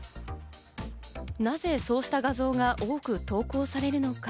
なぜそうした画像が多く投稿されるのか？